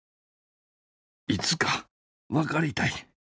いつか分かりたい。